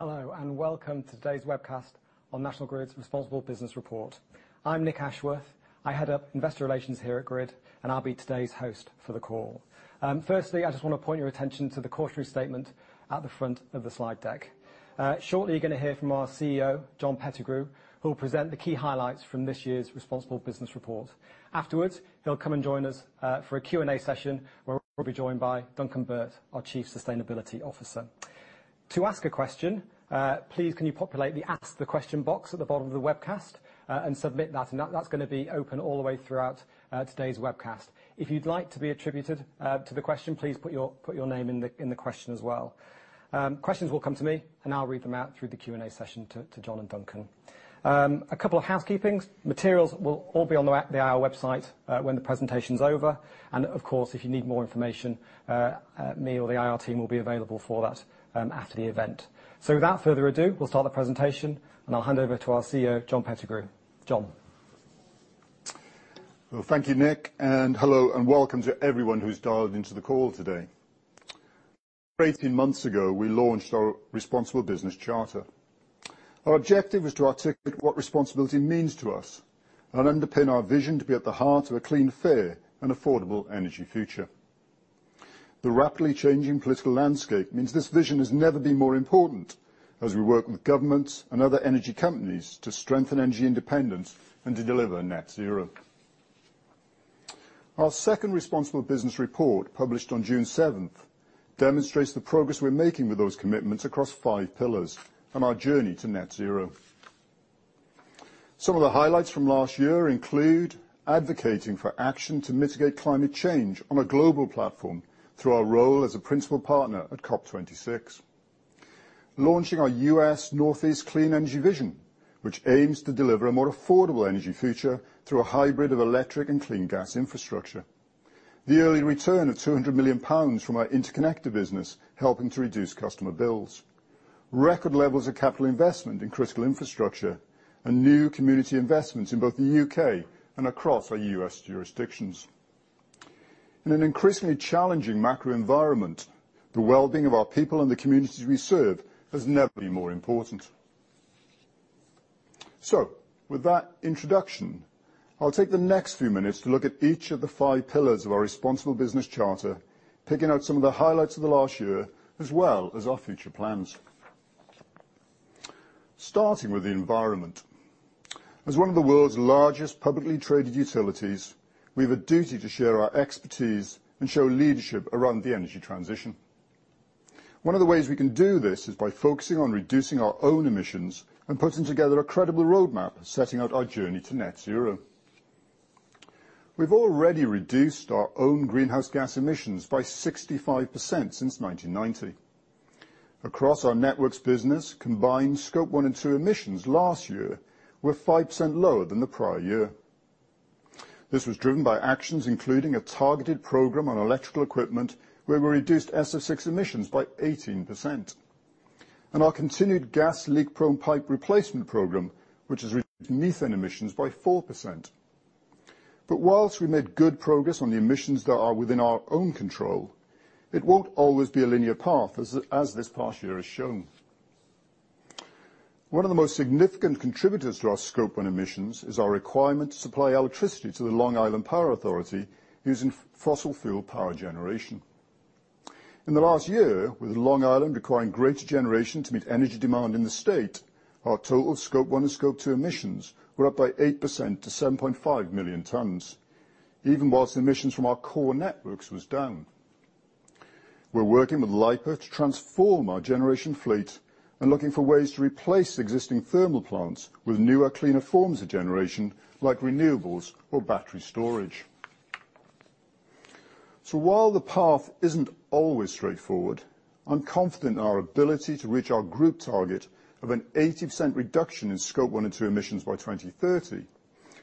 Hello, and welcome to today's webcast on National Grid's Responsible Business Report. I'm Nick Ashworth. I head up investor relations here at Grid, and I'll be today's host for the call. Firstly, I just wanna point your attention to the cautionary statement at the front of the slide deck. Shortly, you're gonna hear from our CEO, John Pettigrew, who will present the key highlights from this year's Responsible Business Report. Afterwards, he'll come and join us for a Q&A session, where we'll be joined by Duncan Burt, our Chief Sustainability Officer. To ask a question, please can you populate the ask the question box at the bottom of the webcast, and submit that? That's gonna be open all the way throughout today's webcast. If you'd like to be attributed to the question, please put your name in the question as well. Questions will come to me, and I'll read them out through the Q&A session to John and Duncan. A couple of housekeepings. Materials will all be on the IR website when the presentation's over, and of course, if you need more information, me or the IR team will be available for that after the event. Without further ado, we'll start the presentation, and I'll hand over to our CEO, John Pettigrew. John? Well, thank you, Nick, and hello and welcome to everyone who's dialed into the call today. 18 months ago, we launched our Responsible Business Charter. Our objective is to articulate what responsibility means to us and underpin our vision to be at the heart of a clean, fair, and affordable energy future. The rapidly changing political landscape means this vision has never been more important as we work with governments and other energy companies to strengthen energy independence and to deliver net zero. Our second Responsible Business Report, published on June 7th, demonstrates the progress we're making with those commitments across five pillars on our journey to net zero. Some of the highlights from last year include advocating for action to mitigate climate change on a global platform through our role as a principal partner at COP26, launching our U.S. Northeast Clean Energy Vision, which aims to deliver a more affordable energy future through a hybrid of electric and clean gas infrastructure, the early return of 200 million pounds from our interconnector business, helping to reduce customer bills, record levels of capital investment in critical infrastructure, and new community investments in both the U.K. and across our U.S. jurisdictions. In an increasingly challenging macro environment, the well-being of our people and the communities we serve has never been more important. With that introduction, I'll take the next few minutes to look at each of the five pillars of our Responsible Business Charter, picking out some of the highlights of the last year as well as our future plans. Starting with the environment. As one of the world's largest publicly traded utilities, we have a duty to share our expertise and show leadership around the energy transition. One of the ways we can do this is by focusing on reducing our own emissions and putting together a credible roadmap setting out our journey to net zero. We've already reduced our own greenhouse gas emissions by 65% since 1990. Across our networks business, combined scope 1 and scope 2 emissions last year were 5% lower than the prior year. This was driven by actions including a targeted program on electrical equipment where we reduced SF6 emissions by 18%, and our continued gas leak-prone pipe replacement program, which has reduced methane emissions by 4%. While we made good progress on the emissions that are within our own control, it won't always be a linear path as this past year has shown. One of the most significant contributors to our scope 1 emissions is our requirement to supply electricity to the Long Island Power Authority using fossil fuel power generation. In the last year, with Long Island requiring greater generation to meet energy demand in the state, our total scope 1 and scope 2 emissions were up by 8% to 7.5 million tons, even while emissions from our core networks were down. We're working with LIPA to transform our generation fleet and looking for ways to replace existing thermal plants with newer, cleaner forms of generation like renewables or battery storage. While the path isn't always straightforward, I'm confident in our ability to reach our group target of an 80% reduction in scope 1 and 2 emissions by 2030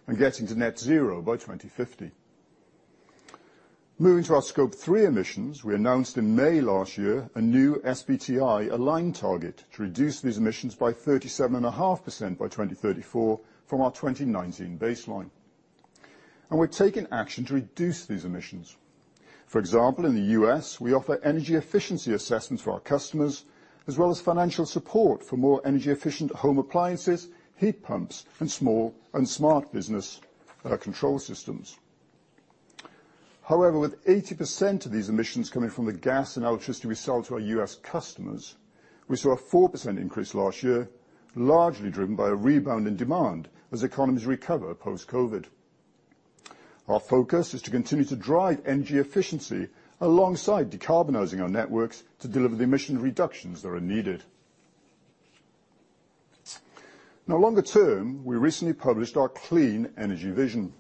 and getting to net zero by 2050. Moving to our scope 3 emissions, we announced in May last year a new SBTi-aligned target to reduce these emissions by 37.5% by 2034 from our 2019 baseline. We're taking action to reduce these emissions. For example, in the U.S., we offer energy efficiency assessments for our customers as well as financial support for more energy-efficient home appliances, heat pumps, and small and smart business control systems. However, with 80% of these emissions coming from the gas and electricity we sell to our U.S. customers, we saw a 4% increase last year, largely driven by a rebound in demand as economies recover post-COVID. Our focus is to continue to drive energy efficiency alongside decarbonizing our networks to deliver the emission reductions that are needed. Longer term, we recently published our Northeast Clean Energy Vision,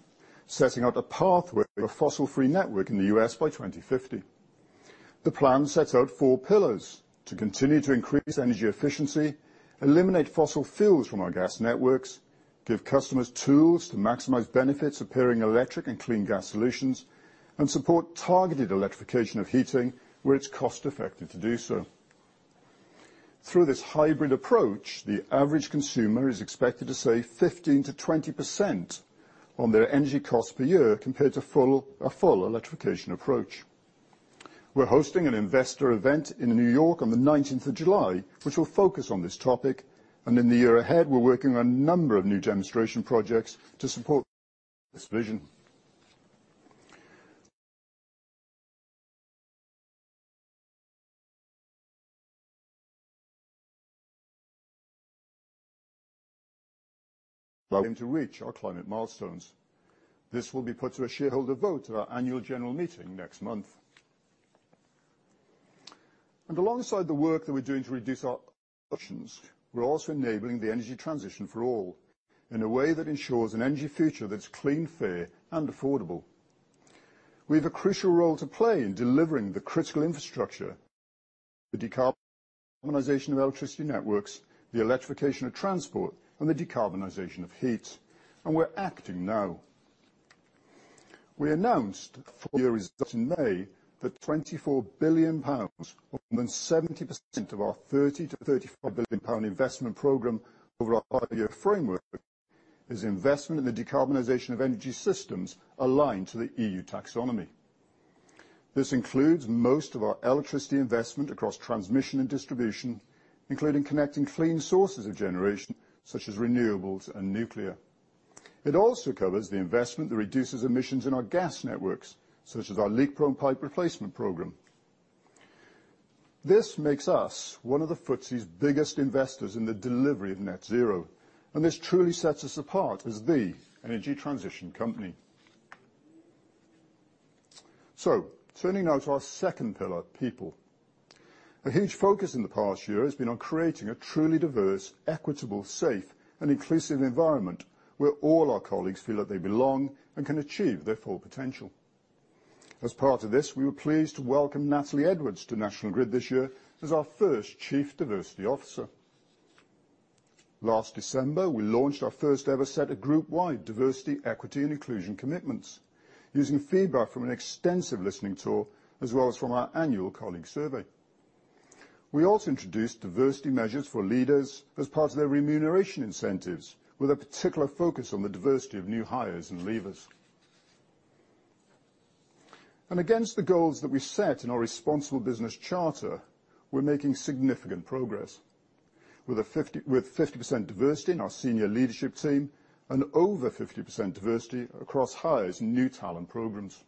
setting out a pathway to a fossil-free network in the U.S. by 2050. The plan sets out four pillars: to continue to increase energy efficiency, eliminate fossil fuels from our gas networks, give customers tools to maximize benefits of pairing electric and clean gas solutions, and support targeted electrification of heating where it's cost effective to do so. Through this hybrid approach, the average consumer is expected to save 15%-20% on their energy cost per year compared to a full electrification approach. We're hosting an investor event in New York on July 19th, which will focus on this topic. In the year ahead, we're working on a number of new demonstration projects to support this vision. Well, to reach our climate milestones. This will be put to a shareholder vote at our annual general meeting next month. Alongside the work that we're doing to reduce our emissions, we're also enabling the energy transition for all in a way that ensures an energy future that's clean, fair, and affordable. We have a crucial role to play in delivering the critical infrastructure, the decarbonization of electricity networks, the electrification of transport, and the decarbonization of heat, and we're acting now. We announced full-year results in May that 24 billion pounds, more than 70% of our 30 billion-34 billion pound investment program over our five-year framework, is investment in the decarbonization of energy systems aligned to the EU Taxonomy. This includes most of our electricity investment across transmission and distribution, including connecting clean sources of generation, such as renewables and nuclear. It also covers the investment that reduces emissions in our gas networks, such as our leak-prone pipe replacement program. This makes us one of the FTSE's biggest investors in the delivery of net zero, and this truly sets us apart as the energy transition company. Turning now to our second pillar, people. A huge focus in the past year has been on creating a truly diverse, equitable, safe, and inclusive environment, where all our colleagues feel that they belong and can achieve their full potential. As part of this, we were pleased to welcome Natalie Edwards to National Grid this year as our first Chief Diversity Officer. Last December, we launched our first-ever set of group-wide diversity, equity, and inclusion commitments using feedback from an extensive listening tour, as well as from our annual colleague survey. We also introduced diversity measures for leaders as part of their remuneration incentives, with a particular focus on the diversity of new hires and leavers. Against the goals that we set in our Responsible Business Charter, we're making significant progress. With 50% diversity in our senior leadership team and over 50% diversity across hires and new talent programs.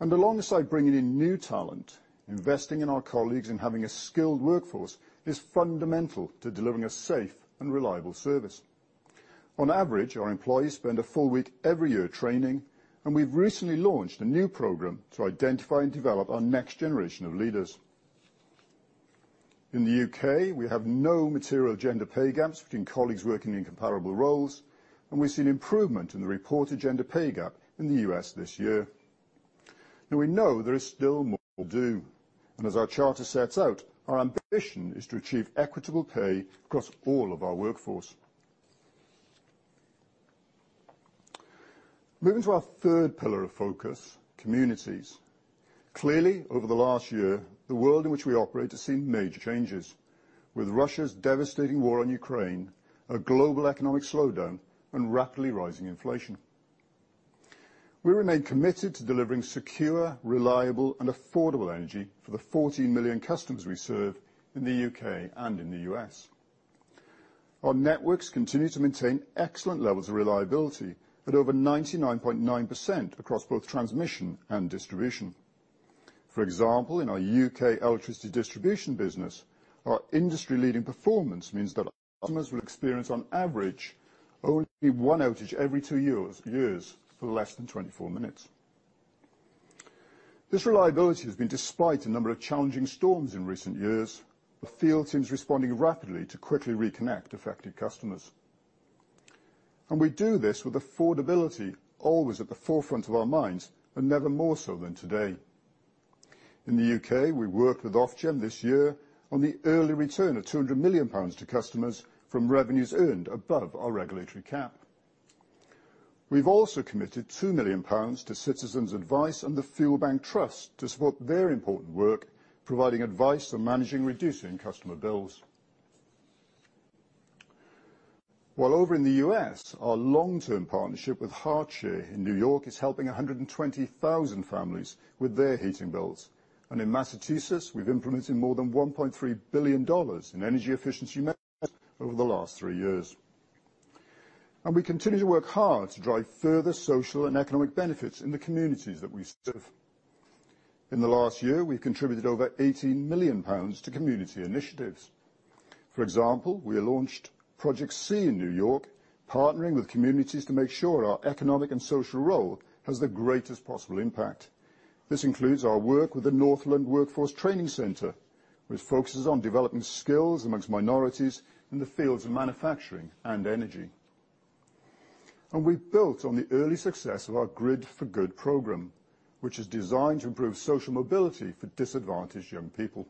Alongside bringing in new talent, investing in our colleagues and having a skilled workforce is fundamental to delivering a safe and reliable service. On average, our employees spend a full week every year training, and we've recently launched a new program to identify and develop our next generation of leaders. In the U.K., we have no material gender pay gaps between colleagues working in comparable roles, and we've seen improvement in the reported gender pay gap in the U.S. this year. Now, we know there is still more to do. As our charter sets out, our ambition is to achieve equitable pay across all of our workforce. Moving to our third pillar of focus, communities. Clearly, over the last year, the world in which we operate has seen major changes, with Russia's devastating war on Ukraine, a global economic slowdown, and rapidly rising inflation. We remain committed to delivering secure, reliable, and affordable energy for the 14 million customers we serve in the U.K. and in the U.S. Our networks continue to maintain excellent levels of reliability at over 99.9% across both transmission and distribution. For example, in our U.K. electricity distribution business, our industry-leading performance means that our customers will experience on average only one outage every two years for less than 24 minutes. This reliability has been despite a number of challenging storms in recent years, with field teams responding rapidly to quickly reconnect affected customers. We do this with affordability always at the forefront of our minds, and never more so than today. In the U.K., we worked with Ofgem this year on the early return of 200 million pounds to customers from revenues earned above our regulatory cap. We've also committed 2 million pounds to Citizens Advice and the Fuel Bank Foundation to support their important work, providing advice on managing and reducing customer bills. While over in the U.S., our long-term partnership with HeartShare Human Services of New York is helping 120,000 families with their heating bills. In Massachusetts, we've implemented more than $1.3 billion in energy efficiency measures over the last three years. We continue to work hard to drive further social and economic benefits in the communities that we serve. In the last year, we've contributed over 80 million pounds to community initiatives. For example, we launched Project C in New York, partnering with communities to make sure our economic and social role has the greatest possible impact. This includes our work with the Northland Workforce Training Center, which focuses on developing skills among minorities in the fields of manufacturing and energy. We've built on the early success of our Grid for Good program, which is designed to improve social mobility for disadvantaged young people.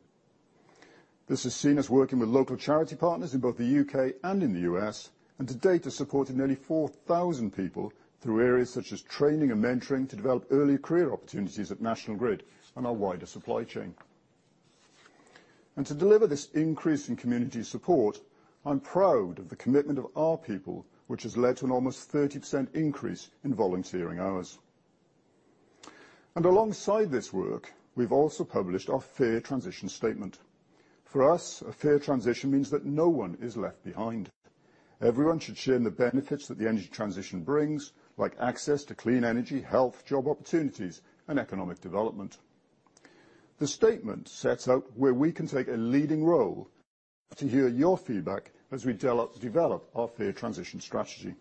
This has seen us working with local charity partners in both the U.K. and in the U.S., and to date has supported nearly 4,000 people through areas such as training and mentoring to develop early-career opportunities at National Grid and our wider supply chain. To deliver this increase in community support, I'm proud of the commitment of our people, which has led to an almost 30% increase in volunteering hours. Alongside this work, we've also published our Fair Transition statement. For us, a Fair Transition means that no one is left behind. Everyone should share in the benefits that the energy transition brings, like access to clean energy, health, job opportunities, and economic development. The statement sets out where we can take a leading role to hear your feedback as we develop our Fair Transition strategy.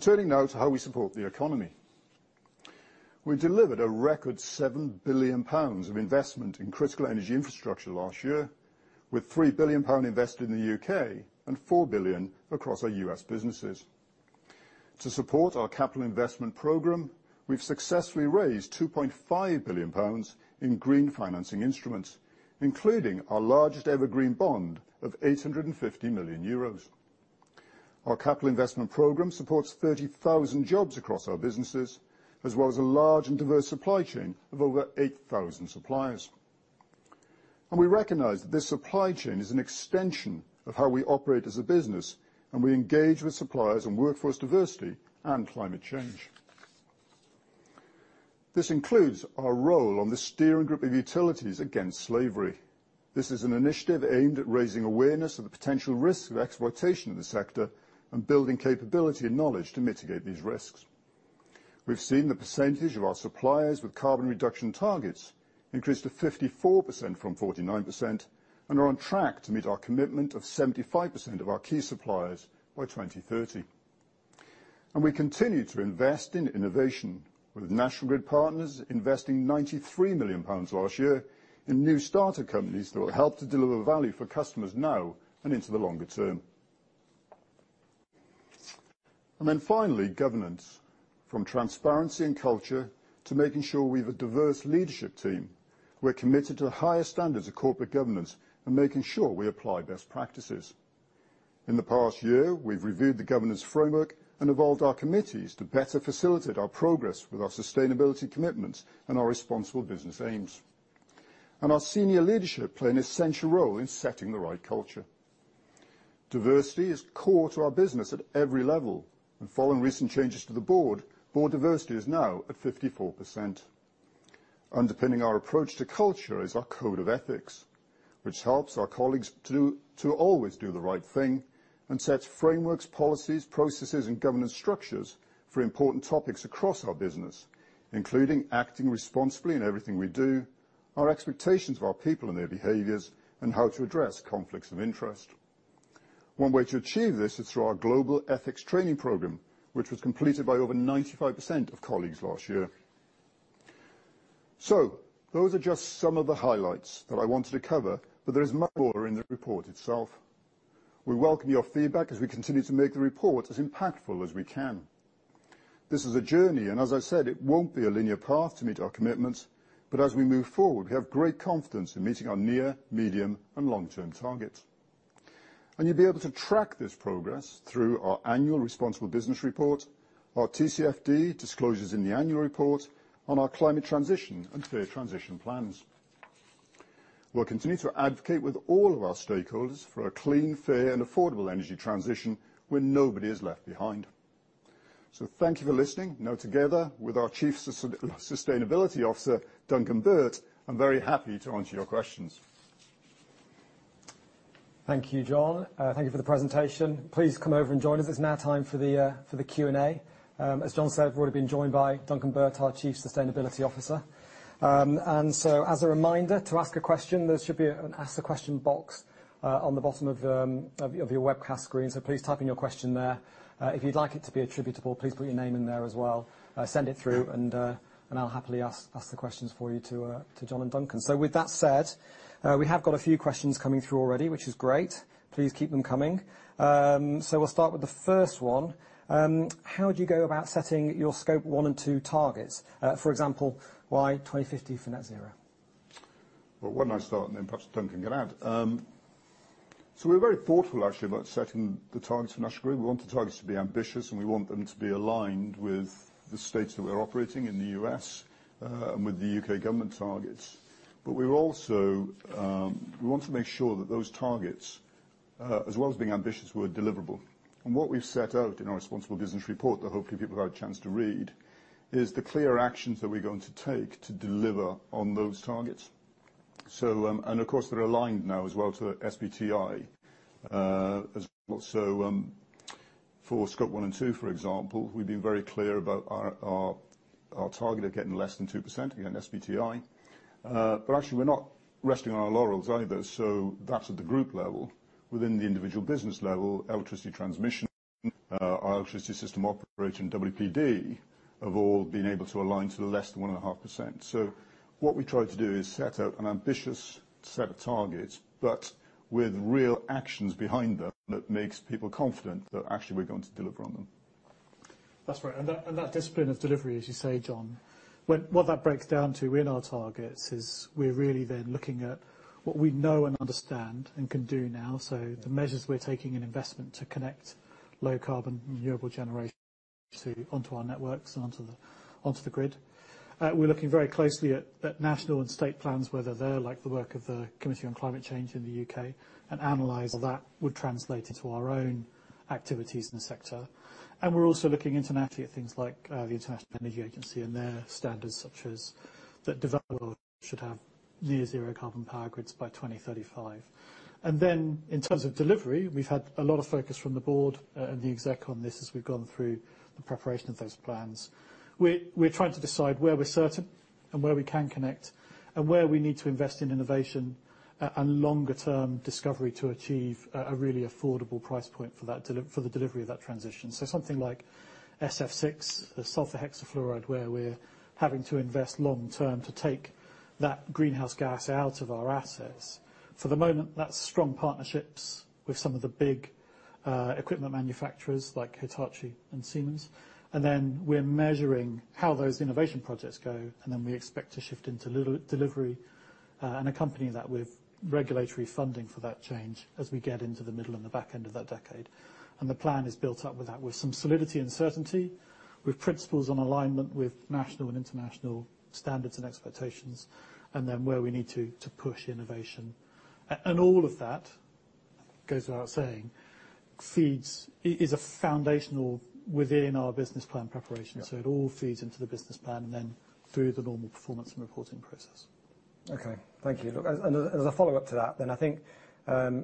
Turning now to how we support the economy. We delivered a record 7 billion pounds of investment in critical energy infrastructure last year, with 3 billion pound invested in the U.K. and 4 billion across our U.S. businesses. To support our capital investment program, we've successfully raised 2.5 billion pounds in green financing instruments, including our largest ever green bond of 850 million euros. Our capital investment program supports 30,000 jobs across our businesses, as well as a large and diverse supply chain of over 8,000 suppliers. We recognize that this supply chain is an extension of how we operate as a business, and we engage with suppliers on workforce diversity and climate change. This includes our role on the steering group of Utilities Against Slavery. This is an initiative aimed at raising awareness of the potential risks of exploitation in the sector and building capability and knowledge to mitigate these risks. We've seen the percentage of our suppliers with carbon reduction targets increase to 54% from 49% and are on track to meet our commitment of 75% of our key suppliers by 2030. We continue to invest in innovation, with National Grid Partners investing GBP 93 million last year in new startup companies that will help to deliver value for customers now and into the longer term. Finally, governance. From transparency and culture, to making sure we have a diverse leadership team, we're committed to the highest standards of corporate governance and making sure we apply best practices. In the past year, we've reviewed the governance framework and evolved our committees to better facilitate our progress with our sustainability commitments and our responsible business aims. Our senior leadership play an essential role in setting the right culture. Diversity is core to our business at every level, and following recent changes to the board, diversity is now at 54%. Underpinning our approach to culture is our code of ethics, which helps our colleagues to always do the right thing and sets frameworks, policies, processes, and governance structures for important topics across our business, including acting responsibly in everything we do, our expectations of our people and their behaviors, and how to address conflicts of interest. One way to achieve this is through our global ethics training program, which was completed by over 95% of colleagues last year. Those are just some of the highlights that I wanted to cover, but there is much more in the report itself. We welcome your feedback as we continue to make the report as impactful as we can. This is a journey, and as I said, it won't be a linear path to meet our commitments, but as we move forward, we have great confidence in meeting our near, medium, and long-term targets. You'll be able to track this progress through our annual Responsible Business Report, our TCFD disclosures in the annual report on our Climate Transition and Fair Transition Plans. We'll continue to advocate with all of our stakeholders for a clean, fair, and affordable energy transition where nobody is left behind. Thank you for listening. Now together with our Chief Sustainability Officer, Duncan Burt, I'm very happy to answer your questions. Thank you, John. Thank you for the presentation. Please come over and join us. It's now time for the Q&A. As John said, we're gonna be joined by Duncan Burt, our Chief Sustainability Officer. As a reminder, to ask a question, there should be an ask the question box on the bottom of your webcast screen. Please type in your question there. If you'd like it to be attributable, please put your name in there as well. Send it through, and I'll happily ask the questions for you to John and Duncan. With that said, we have got a few questions coming through already, which is great. Please keep them coming. We'll start with the first one. How do you go about setting your scope 1 and 2 targets? For example, why 2050 for net zero? Well, why don't I start, and then perhaps Duncan can add. We're very thoughtful actually about setting the targets for National Grid. We want the targets to be ambitious, and we want them to be aligned with the states that we're operating in the U.S., and with the U.K. government targets. We're also, we want to make sure that those targets, as well as being ambitious, were deliverable. What we've set out in our Responsible Business Report, that hopefully people have had a chance to read, is the clear actions that we're going to take to deliver on those targets. Of course they're aligned now as well to SBTi, as well. For scope 1 and 2, for example, we've been very clear about our target of getting less than 2% against SBTi. Actually, we're not resting on our laurels either. That's at the group level. Within the individual business level, Electricity Transmission, our Electricity System Operator, WPD have all been able to align to less than 1.5%. What we try to do is set out an ambitious set of targets, but with real actions behind them that makes people confident that actually we're going to deliver on them. That's right. That discipline of delivery, as you say, John, what that breaks down to in our targets is we're really then looking at what we know and understand and can do now. The measures we're taking in investment to connect low-carbon renewable generation onto our networks and onto the grid. We're looking very closely at national and state plans, whether they're like the work of the Climate Change Committee in the U.K., and analyze that would translate into our own activities in the sector. We're also looking internationally at things like the International Energy Agency and their standards such as that developers should have net zero carbon power grids by 2035. In terms of delivery, we've had a lot of focus from the board and the exec on this as we've gone through the preparation of those plans. We're trying to decide where we're certain and where we can connect, and where we need to invest in innovation and longer-term discovery to achieve a really affordable price point for the delivery of that transition. Something like SF6, sulfur hexafluoride, where we're having to invest long term to take that greenhouse gas out of our assets. For the moment, that's strong partnerships with some of the big equipment manufacturers like Hitachi and Siemens, and then we're measuring how those innovation projects go, and then we expect to shift into delivery and accompany that with regulatory funding for that change as we get into the middle and the back end of that decade. The plan is built up with that, with some solidity and certainty, with principles and alignment with national and international standards and expectations, and then where we need to push innovation. All of that goes without saying feeds is a foundational within our business plan preparation. Yeah. It all feeds into the business plan and then through the normal performance and reporting process. Okay. Thank you. Look, as a follow-up to that, then I think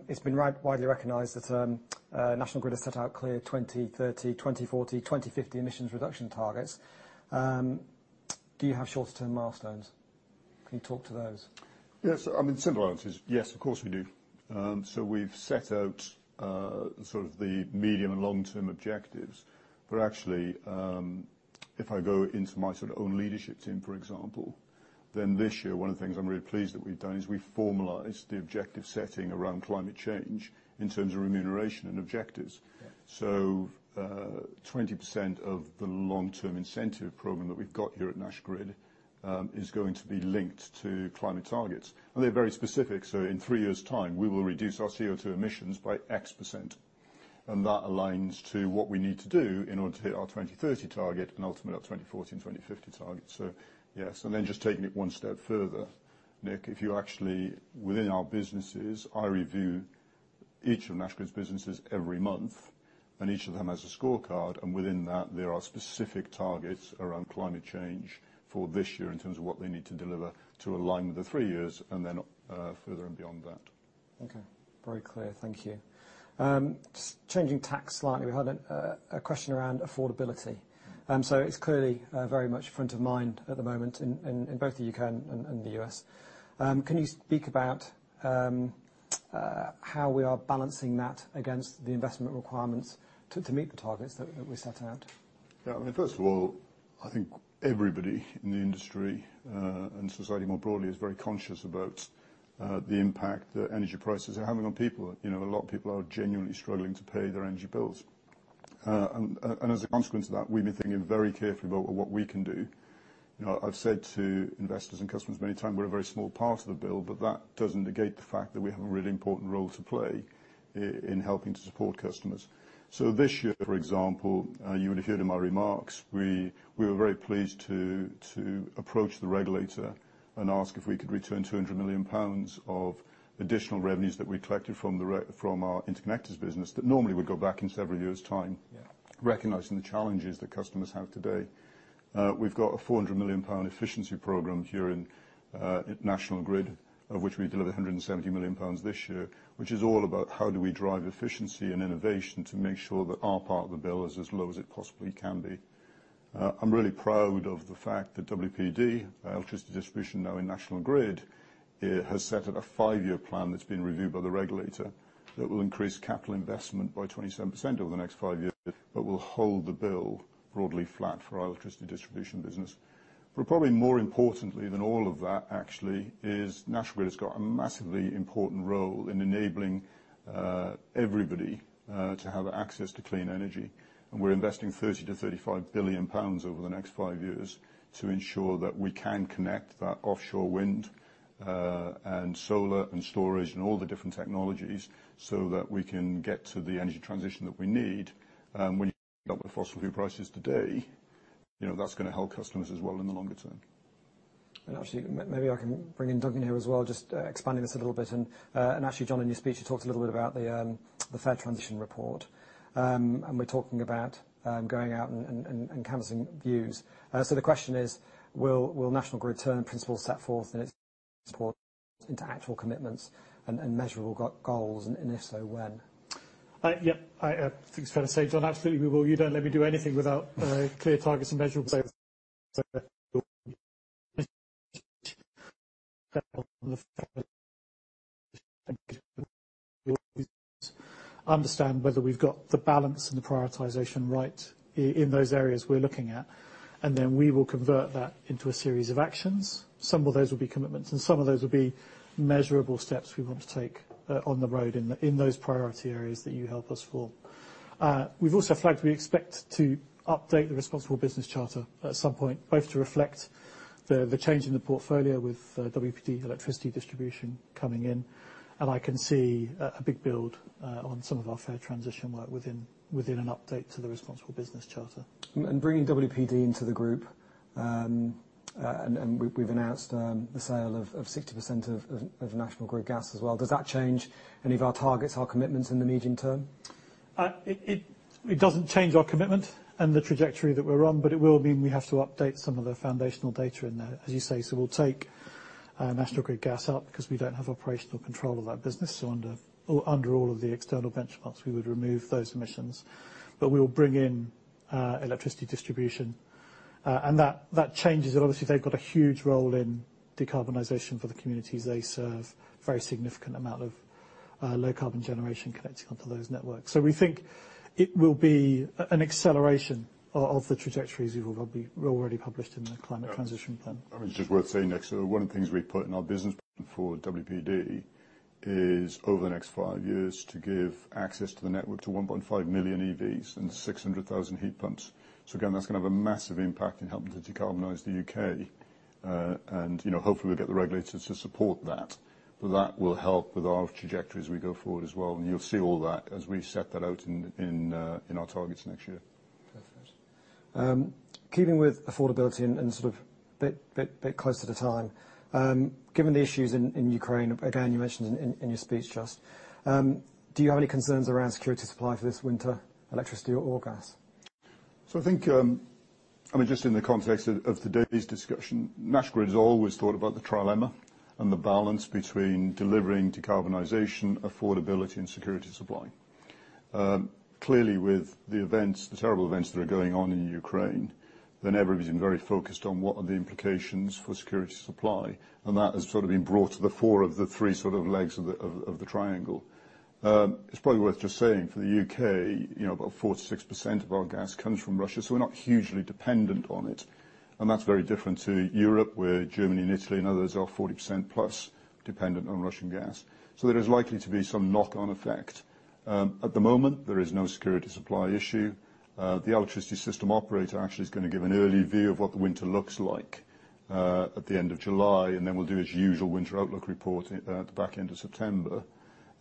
it's been widely recognized that National Grid has set out clear 2030, 2040, 2050 emissions reduction targets. Do you have shorter-term milestones? Can you talk to those? Yes. I mean, the simple answer is yes, of course we do. We've set out sort of the medium and long-term objectives. Actually, if I go into my sort of own leadership team, for example, then this year, one of the things I'm really pleased that we've done is we've formalized the objective setting around climate change in terms of remuneration and objectives. Yeah. 20% of the long-term incentive program that we've got here at National Grid is going to be linked to climate targets. They're very specific, so in three years' time, we will reduce our CO2 emissions by X percent. That aligns to what we need to do in order to hit our 2030 target and ultimately our 2040 and 2050 target. Yes. Just taking it one step further, Nick. Within our businesses, I review each of National Grid's businesses every month, and each of them has a scorecard, and within that, there are specific targets around climate change for this year in terms of what they need to deliver to align with the three years and then, further and beyond that. Okay. Very clear. Thank you. Changing tack slightly. We had a question around affordability. Mm-hmm. So it's clearly very much front of mind at the moment in both the U.K. And the U.S. Can you speak about how we are balancing that against the investment requirements to meet the targets that we set out? Yeah, I mean, first of all, I think everybody in the industry and society more broadly is very conscious about the impact that energy prices are having on people. You know, a lot of people are genuinely struggling to pay their energy bills. As a consequence of that, we've been thinking very carefully about what we can do. You know, I've said to investors and customers many a time, we're a very small part of the bill, but that doesn't negate the fact that we have a really important role to play in helping to support customers. This year, for example, you would have heard in my remarks, we were very pleased to approach the regulator and ask if we could return 200 million pounds of additional revenues that we collected from our interconnectors business that normally would go back in several years' time. Yeah Recognizing the challenges that customers have today. We've got a 400 million pound efficiency program here in National Grid, of which we delivered 170 million pounds this year, which is all about how do we drive efficiency and innovation to make sure that our part of the bill is as low as it possibly can be. I'm really proud of the fact that WPD, our electricity distribution now in National Grid, has set out a five-year plan that's been reviewed by the regulator that will increase capital investment by 27% over the next five years, but will hold the bill broadly flat for our electricity distribution business. Probably more importantly than all of that actually is National Grid has got a massively important role in enabling everybody to have access to clean energy. We're investing 30 billion-35 billion pounds over the next five years to ensure that we can connect that offshore wind, and solar and storage and all the different technologies so that we can get to the energy transition that we need, when you couple it with fossil fuel prices today, you know, that's gonna help customers as well in the longer term. Actually, maybe I can bring in Duncan here as well, just expanding this a little bit. Actually, John, in your speech, you talked a little bit about the fair transition report. We're talking about going out and canvassing views. The question is, will National Grid turn the principles set forth in its report into actual commitments and measurable goals? If so, when? Yeah, I think it's fair to say, John, absolutely we will. You don't let me do anything without clear targets and measurables. We'll understand whether we've got the balance and the prioritization right in those areas we're looking at, and then we will convert that into a series of actions. Some of those will be commitments, and some of those will be measurable steps we want to take on the road in those priority areas that you help us form. We've also flagged we expect to update the Responsible Business Charter at some point, both to reflect the change in the portfolio with Western Power Distribution coming in. I can see a big build on some of our Fair Transition work within an update to the Responsible Business Charter. Bringing WPD into the group, and we've announced the sale of 60% of National Grid Gas as well. Does that change any of our targets, our commitments in the medium term? It doesn't change our commitment and the trajectory that we're on, but it will mean we have to update some of the foundational data in there, as you say. We'll take National Grid Gas out because we don't have operational control of that business. Under all of the external benchmarks, we would remove those emissions. We will bring in electricity distribution and that changes it obviously. They've got a huge role in decarbonization for the communities they serve. Very significant amount of low-carbon generation connecting onto those networks. We think it will be an acceleration of the trajectories we already published in the Climate Transition Plan. Yeah. I mean, just worth saying next, one of the things we put in our business plan for WPD is over the next five years to give access to the network to 1.5 million EVs and 600,000 heat pumps. Again, that's gonna have a massive impact in helping to decarbonize the U.K. You know, hopefully we'll get the regulators to support that. That will help with our trajectory as we go forward as well, and you'll see all that as we set that out in our targets next year. Perfect. Keeping with affordability and sort of a bit closer to time, given the issues in Ukraine, again, you mentioned in your speech just, do you have any concerns around security of supply for this winter, electricity or gas? I think, I mean, just in the context of today's discussion, National Grid has always thought about the trilemma and the balance between delivering decarbonization, affordability, and security of supply. Clearly with the events, the terrible events that are going on in Ukraine, everybody's been very focused on what are the implications for security of supply, and that has sort of been brought to the fore of the three sort of legs of the triangle. It's probably worth just saying for the U.K., you know, about 46% of our gas comes from Russia, so we're not hugely dependent on it, and that's very different to Europe, where Germany and Italy and others are 40%+ dependent on Russian gas. There is likely to be some knock-on effect. At the moment, there is no security supply issue. The Electricity System Operator actually is gonna give an early view of what the winter looks like at the end of July, and then we'll do its usual winter outlook report at the back end of September.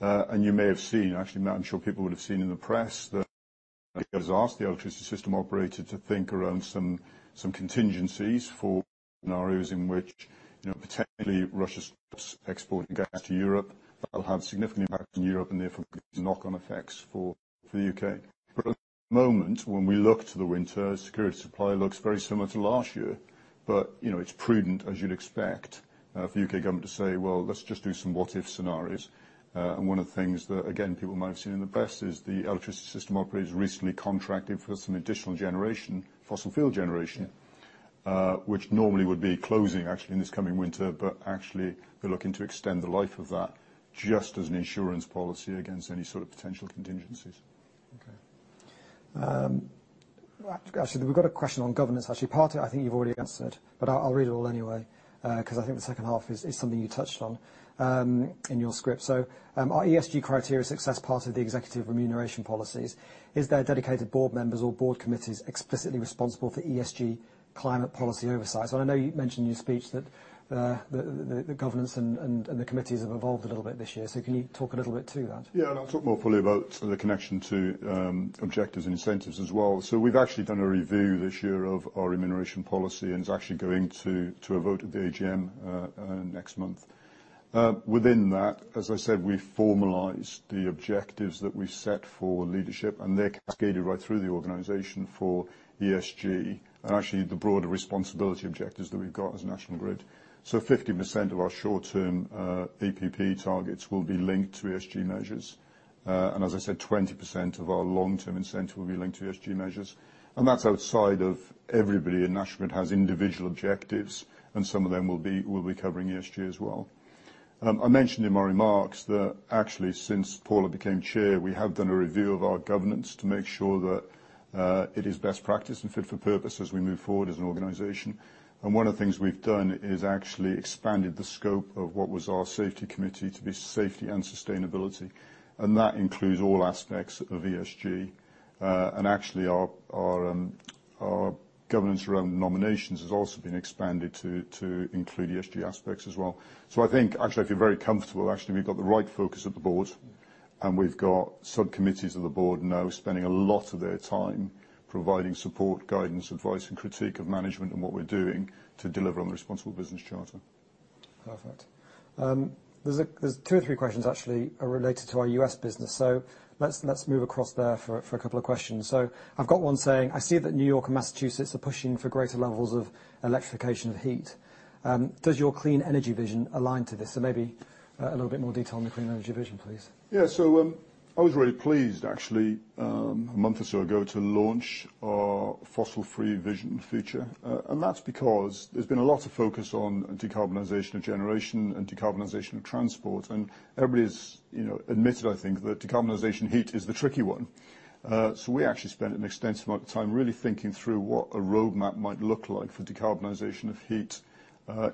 You may have seen, actually, I'm sure people would have seen in the press that Ofgem has asked the Electricity System Operator to think around some contingencies for scenarios in which, you know, potentially Russia stops exporting gas to Europe. That'll have a significant impact in Europe and therefore knock-on effects for the U.K. At the moment, when we look to the winter, security of supply looks very similar to last year. You know, it's prudent, as you'd expect, for the U.K. government to say, "Well, let's just do some what-if scenarios." One of the things that, again, people might have seen in the press is the Electricity System Operator's recently contracted for some additional generation, fossil fuel generation. Yeah which normally would be closing actually in this coming winter, but actually we're looking to extend the life of that just as an insurance policy against any sort of potential contingencies. Okay. Actually, we've got a question on governance. Actually, part of it I think you've already answered, but I'll read it all anyway, 'cause I think the second half is something you touched on in your script. Are ESG criteria success part of the executive remuneration policies? Is there dedicated board members or board committees explicitly responsible for ESG climate policy oversight? I know you mentioned in your speech that the governance and the committees have evolved a little bit this year. Can you talk a little bit to that? Yeah, I'll talk more fully about the connection to objectives and incentives as well. We've actually done a review this year of our remuneration policy, and it's actually going to a vote at the AGM next month. Within that, as I said, we formalize the objectives that we set for leadership, and they're cascaded right through the organization for ESG and actually the broader responsibility objectives that we've got as National Grid. 50% of our short-term APP targets will be linked to ESG measures. As I said, 20% of our long-term incentive will be linked to ESG measures, and that's outside of everybody in National Grid has individual objectives, and some of them will be covering ESG as well. I mentioned in my remarks that actually, since Paula became chair, we have done a review of our governance to make sure that it is best practice and fit for purpose as we move forward as an organization. One of the things we've done is actually expanded the scope of what was our safety committee to be safety and sustainability, and that includes all aspects of ESG. Actually our governance around nominations has also been expanded to include ESG aspects as well. I think actually I feel very comfortable. Actually, we've got the right focus at the board, and we've got sub-committees of the board now spending a lot of their time providing support, guidance, advice, and critique of management and what we're doing to deliver on the Responsible Business Charter. Perfect. There are two or three questions actually related to our U.S. business. Let's move across there for a couple of questions. I've got one saying, "I see that New York and Massachusetts are pushing for greater levels of electrification of heat. Does your clean energy vision align to this?" Maybe a little bit more detail on the clean energy vision, please. Yeah. I was really pleased actually, a month or so ago to launch our fossil-free vision future. That's because there's been a lot of focus on decarbonization of generation and decarbonization of transport, and everybody's, you know, admitted, I think, that decarbonization heat is the tricky one. We actually spent an extensive amount of time really thinking through what a roadmap might look like for decarbonization of heat,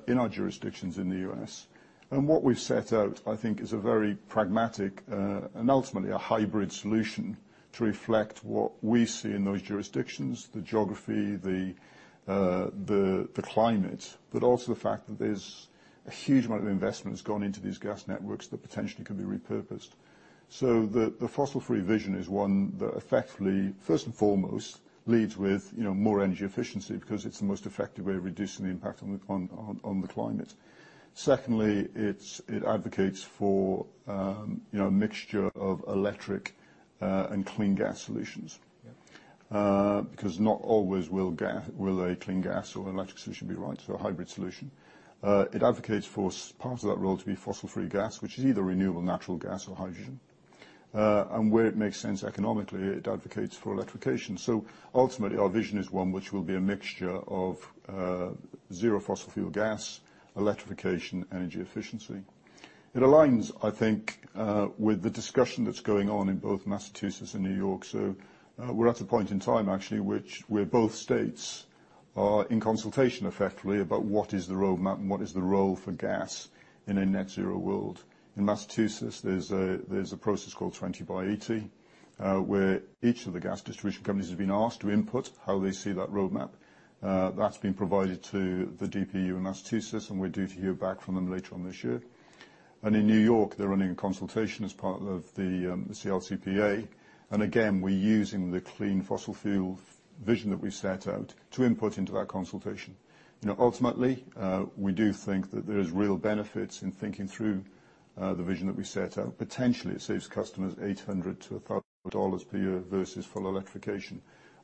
in our jurisdictions in the U.S. What we've set out, I think, is a very pragmatic, and ultimately a hybrid solution to reflect what we see in those jurisdictions, the geography, the climate, but also the fact that there's a huge amount of investment has gone into these gas networks that potentially could be repurposed. The fossil-free vision is one that effectively, first and foremost, leads with, you know, more energy efficiency because it's the most effective way of reducing the impact on the climate. Secondly, it advocates for, you know, a mixture of electric and clean gas solutions. Yeah. 'Cause not always will a clean gas or electric solution be right. A hybrid solution. It advocates for some parts of that world to be fossil-free gas, which is either renewable natural gas or hydrogen. And where it makes sense economically, it advocates for electrification. Ultimately, our vision is one which will be a mixture of zero fossil fuel gas, electrification, energy efficiency. It aligns, I think, with the discussion that's going on in both Massachusetts and New York. We're at a point in time, actually, where both states are in consultation effectively about what is the roadmap and what is the role for gas in a net zero world. In Massachusetts, there's a process called 20 by 80, where each of the gas distribution companies have been asked to input how they see that roadmap. That's been provided to the DPU in Massachusetts, and we're due to hear back from them later on this year. In New York, they're running a consultation as part of the CLCPA. We're using the fossil-free vision that we set out to input into that consultation. You know, ultimately, we do think that there's real benefits in thinking through the vision that we set out. Potentially it saves customers $800-$1,000 per year versus full electrification.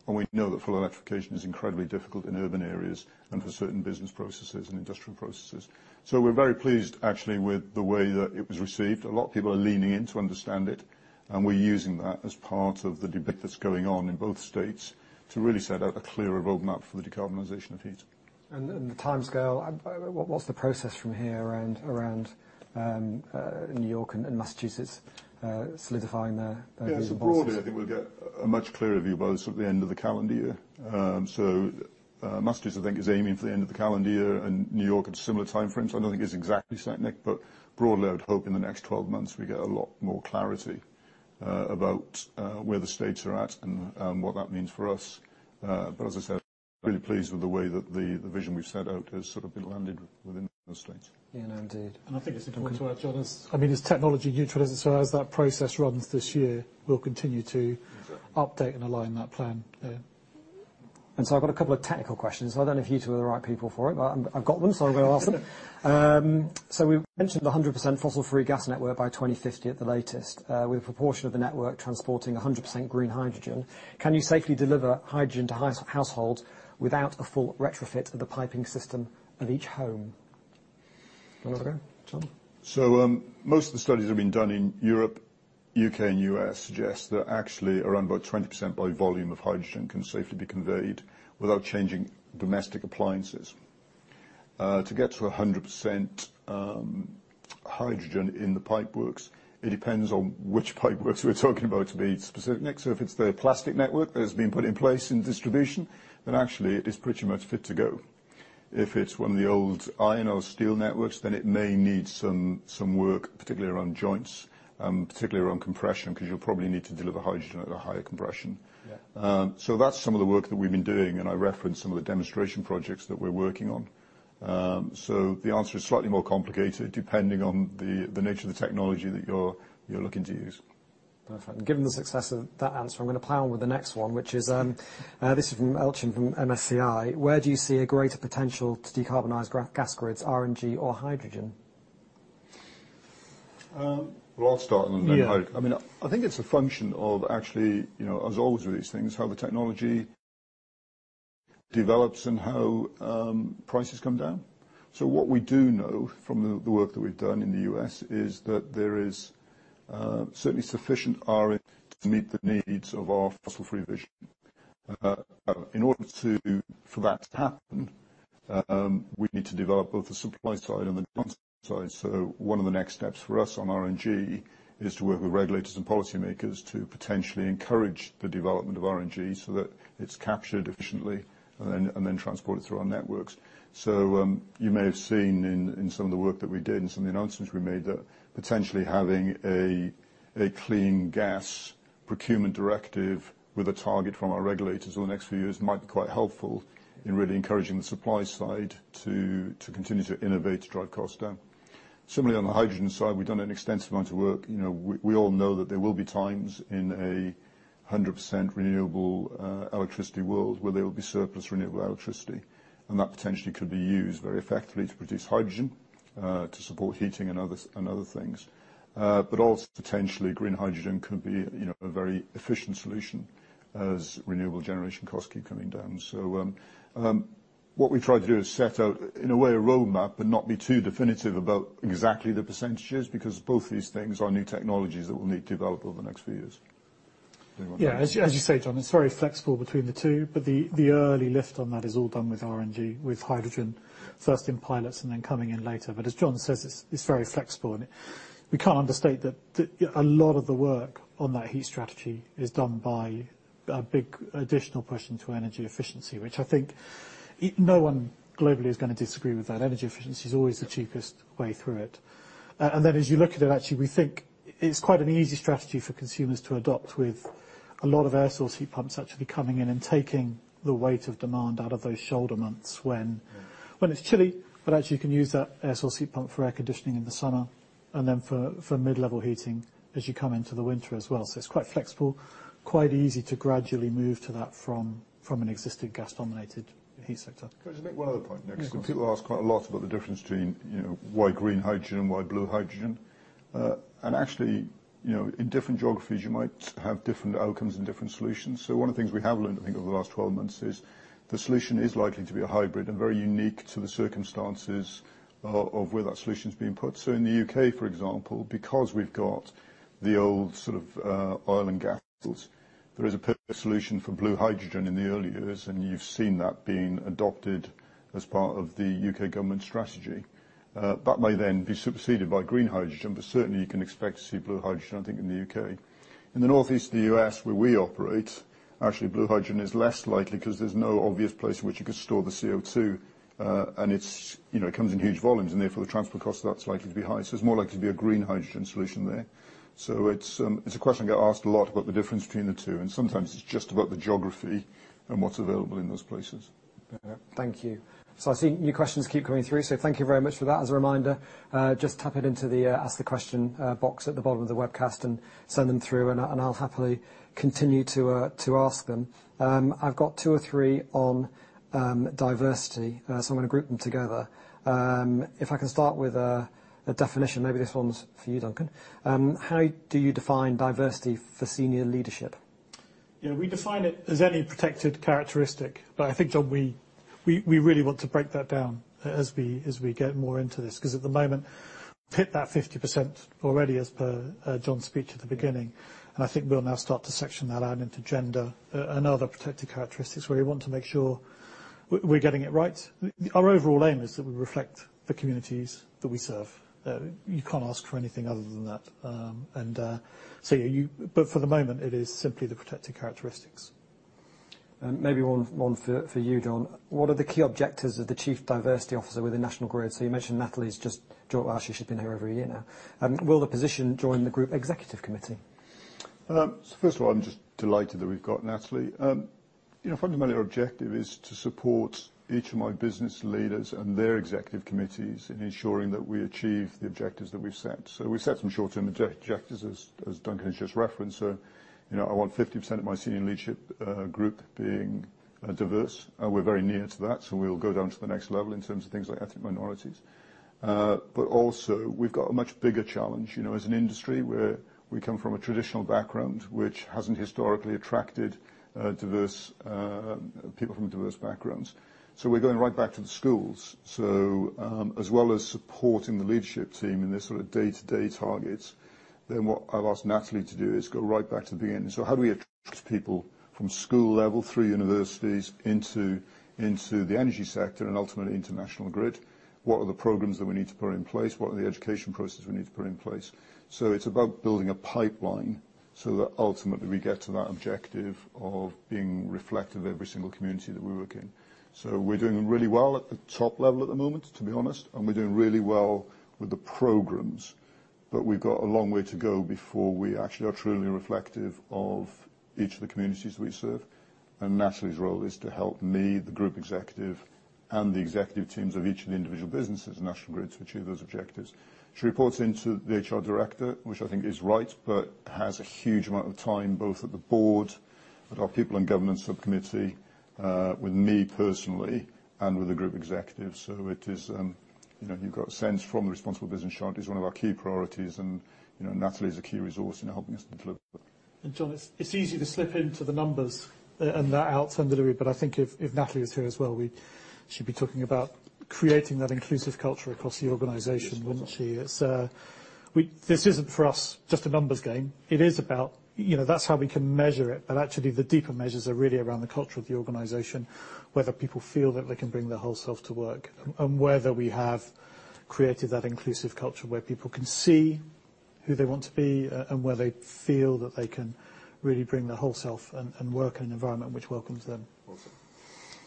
We know that full electrification is incredibly difficult in urban areas and for certain business processes and industrial processes. We're very pleased, actually, with the way that it was received. A lot of people are leaning in to understand it, and we're using that as part of the debate that's going on in both states to really set out a clearer roadmap for the decarbonization of heat. The timescale. What's the process from here around New York and Massachusetts solidifying their views on this? Yeah. Broadly, I think we'll get a much clearer view about it sort of the end of the calendar year. Massachusetts, I think, is aiming for the end of the calendar year, and New York had a similar timeframe. I don't think it's exactly set, Nick, but broadly, I would hope in the next 12 months we get a lot more clarity about where the states are at and what that means for us. As I said, really pleased with the way that the vision we've set out has sort of been landed within the state. Yeah. No, indeed. I think it's important to add, John, I mean, as technology neutral as it stands, that process runs this year, we'll continue to update and align that plan, yeah. I've got a couple of technical questions. I don't know if you two are the right people for it, but I've got them, so I'm gonna ask them. We mentioned a 100% fossil-free gas network by 2050 at the latest, with a proportion of the network transporting 100% green hydrogen. Can you safely deliver hydrogen to household without a full retrofit of the piping system of each home? Do you wanna have a go? John? Most of the studies that have been done in Europe, U.K., and U.S. suggest that actually around about 20% by volume of hydrogen can safely be conveyed without changing domestic appliances. To get to 100% hydrogen in the pipeworks, it depends on which pipeworks we're talking about, to be specific, Nick. If it's the plastic network that has been put in place in the distribution, then actually it is pretty much fit to go. If it's one of the old iron or steel networks, then it may need some work, particularly around joints, particularly around compression, 'cause you'll probably need to deliver hydrogen at a higher compression. Yeah. That's some of the work that we've been doing, and I referenced some of the demonstration projects that we're working on. The answer is slightly more complicated depending on the nature of the technology that you're looking to use. Perfect. Given the success of that answer, I'm gonna plow on with the next one, which is, this is from Elchin from MSCI: Where do you see a greater potential to decarbonize gas grids, RNG or hydrogen? Well, I'll start and then Mike. Yeah. I mean, I think it's a function of actually, you know, as always with these things, how the technology develops and how prices come down. What we do know from the work that we've done in the U.S. is that there is certainly sufficient RNG to meet the needs of our fossil-free vision. In order for that to happen, we'd need to develop both the supply side and the demand side. One of the next steps for us on RNG is to work with regulators and policymakers to potentially encourage the development of RNG so that it's captured efficiently and then transported through our networks. You may have seen in some of the work that we did and some of the announcements we made that potentially having a clean-gas procurement directive with a target from our regulators over the next few years might be quite helpful in really encouraging the supply side to continue to innovate, to drive costs down. Similarly, on the hydrogen side, we've done an extensive amount of work. You know, we all know that there will be times in a 100% renewable electricity world where there will be surplus renewable electricity, and that potentially could be used very effectively to produce hydrogen to support heating and other things. Also potentially green hydrogen could be, you know, a very efficient solution as renewable generation costs keep coming down. what we try to do is set out, in a way, a roadmap, but not be too definitive about exactly the percentages, because both these things are new technologies that we'll need to develop over the next few years. Anyone- Yeah. As you say, John, it's very flexible between the two, but the early lift on that is all done with RNG, with hydrogen first in pilots and then coming in later. As John says, it's very flexible, and we can't understate that a lot of the work on that heat strategy is done by a big additional push into energy efficiency, which I think no one globally is gonna disagree with that. Energy efficiency is always the cheapest way through it. As you look at it, actually, we think it's quite an easy strategy for consumers to adopt with a lot of air-source heat pumps actually coming in and taking the weight of demand out of those shoulder months when it's chilly. Actually you can use that air-source heat pump for air conditioning in the summer and then for mid-level heating as you come into the winter as well. It's quite flexible, quite easy to gradually move to that from an existing gas-dominated heat sector. Can I just make one other point, Nick? Yes, of course. 'Cause people ask quite a lot about the difference between, you know, why green hydrogen and why blue hydrogen. And actually, you know, in different geographies, you might have different outcomes and different solutions. One of the things we have learned, I think, over the last 12 months is the solution is likely to be a hybrid and very unique to the circumstances of where that solution is being put. In the U.K., for example, because we've got the old sort of oil and gas, there is a perfect solution for blue hydrogen in the early years, and you've seen that being adopted as part of the U.K. government strategy. That may then be superseded by green hydrogen, but certainly you can expect to see blue hydrogen, I think, in the U.K. In the Northeast of the U.S., where we operate, actually blue hydrogen is less likely because there's no obvious place in which you could store the CO2, and it's, you know, it comes in huge volumes, and therefore the transfer cost of that is likely to be high. It's more likely to be a green hydrogen solution there. It's a question I get asked a lot about the difference between the two, and sometimes it's just about the geography and what's available in those places. Thank you. I see new questions keep coming through, so thank you very much for that. As a reminder, just type it into the ask the question box at the bottom of the webcast and send them through, and I'll happily continue to ask them. I've got two or three on diversity, so I'm gonna group them together. If I can start with a definition, maybe this one's for you, Duncan. How do you define diversity for senior leadership? Yeah, we define it as any protected characteristic. I think, John, we really want to break that down as we get more into this, because at the moment, we've hit that 50% already as per John's speech at the beginning. I think we'll now start to section that out into gender and other protected characteristics where we want to make sure we're getting it right. Our overall aim is that we reflect the communities that we serve. You can't ask for anything other than that. For the moment, it is simply the protected characteristics. Maybe one for you, John. What are the key objectives of the Chief Diversity Officer within National Grid? You mentioned Natalie's just joined. Actually, she's been here over a year now. Will the position join the group executive committee? First of all, I'm just delighted that we've got Natalie. You know, fundamentally, our objective is to support each of my business leaders and their executive committees in ensuring that we achieve the objectives that we've set. We've set some short-term objectives, as Duncan has just referenced. You know, I want 50% of my senior leadership group being diverse, and we're very near to that, so we'll go down to the next level in terms of things like ethnic minorities. But also we've got a much bigger challenge, you know, as an industry where we come from a traditional background, which hasn't historically attracted diverse people from diverse backgrounds. We're going right back to the schools. As well as supporting the leadership team in their sort of day-to-day targets, what I've asked Natalie to do is go right back to the beginning. How do we attract people from school level through universities into the energy sector and ultimately into National Grid? What are the programs that we need to put in place? What are the education processes we need to put in place? It's about building a pipeline so that ultimately we get to that objective of being reflective of every single community that we work in. We're doing really well at the top level at the moment, to be honest, and we're doing really well with the programs. We've got a long way to go before we actually are truly reflective of each of the communities we serve. Natalie's role is to help me, the group executive, and the executive teams of each of the individual businesses in National Grid to achieve those objectives. She reports into the HR director, which I think is right, but has a huge amount of time, both at the board, with our People and Governance Subcommittee, with me personally, and with the group executive. It is, you know, you've got a sense from the Responsible Business Charter, it's one of our key priorities and, you know, Natalie is a key resource in helping us deliver. John, it's easy to slip into the numbers and that outturn delivery, but I think if Natalie is here as well, she'd be talking about creating that inclusive culture across the organization, wouldn't she? Yes. This isn't for us just a numbers game. It is about, you know, that's how we can measure it, but actually the deeper measures are really around the culture of the organization, whether people feel that they can bring their whole self to work, and whether we have created that inclusive culture where people can see who they want to be, and where they feel that they can really bring their whole self and work in an environment which welcomes them. Awesome.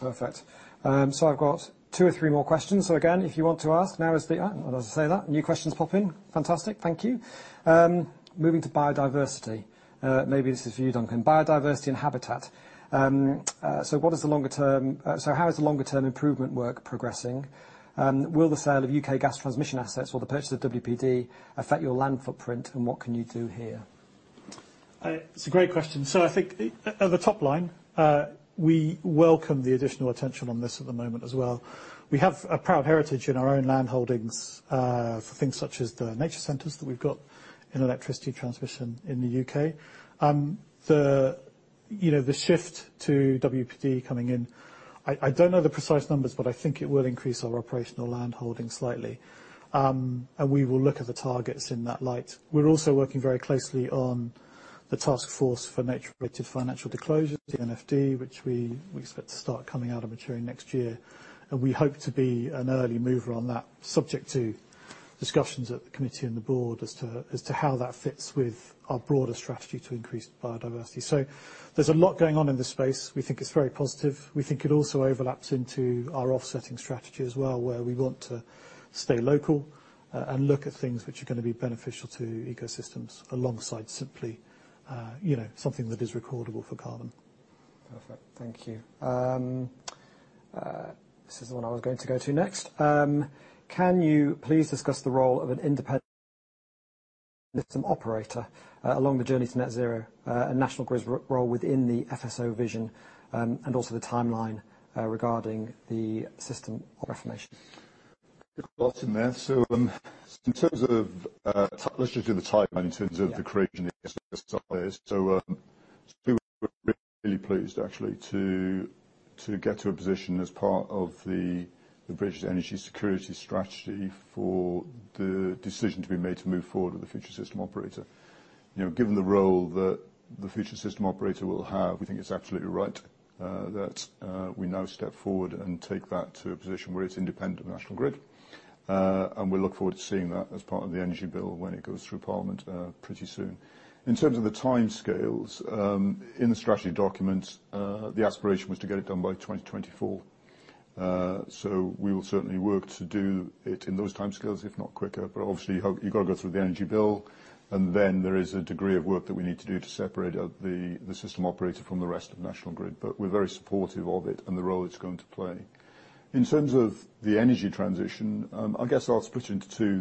Perfect. I've got two or three more questions. Again, if you want to ask. As I say that, new questions pop in. Fantastic. Thank you. Moving to biodiversity, maybe this is for you, Duncan. Biodiversity and habitat. How is the longer term improvement work progressing? Will the sale of U.K. gas transmission assets or the purchase of WPD affect your land footprint, and what can you do here? It's a great question. I think at the top line, we welcome the additional attention on this at the moment as well. We have a proud heritage in our own land holdings for things such as the nature centers that we've got in Electricity Transmission in the U.K. You know, the shift to WPD coming in, I don't know the precise numbers, but I think it will increase our operational land holding slightly. We will look at the targets in that light. We're also working very closely on the Taskforce on Nature-related Financial Disclosures, the TNFD, which we expect to start coming out and maturing next year. We hope to be an early mover on that subject to discussions at the committee and the board as to how that fits with our broader strategy to increase biodiversity. There's a lot going on in this space. We think it's very positive. We think it also overlaps into our offsetting strategy as well, where we want to stay local, and look at things which are gonna be beneficial to ecosystems alongside simply, you know, something that is recordable for carbon. Perfect. Thank you. This is the one I was going to go to next. Can you please discuss the role of an independent system operator, along the journey to net zero, and National Grid's role within the FSO vision, and also the timeline, regarding the system operation? Well, it's in there. In terms of, let's just do the timeline in terms of the creation of the system operators. We're really pleased actually to get to a position as part of the British Energy Security Strategy for the decision to be made to move forward with the Future System Operator. You know, given the role that the Future System Operator will have, we think it's absolutely right that we now step forward and take that to a position where it's independent of National Grid. We look forward to seeing that as part of the energy bill when it goes through Parliament pretty soon. In terms of the timescales, in the strategy documents, the aspiration was to get it done by 2024. We will certainly work to do it in those timescales, if not quicker. Obviously, you've got to go through the energy bill, and then there is a degree of work that we need to do to separate out the system operator from the rest of National Grid. We're very supportive of it and the role it's going to play. In terms of the energy transition, I guess I'll split it into two.